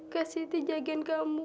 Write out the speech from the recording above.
kasih uang ke mas